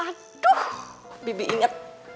aduh bibi inget